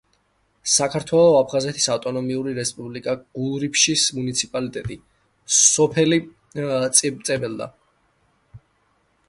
საქართველო, აფხაზეთის ავტონომიური რესპუბლიკა, გულრიფშის მუნიციპალიტეტი, სოფელი წებელდა.